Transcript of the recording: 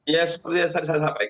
ya seperti yang tadi saya sampaikan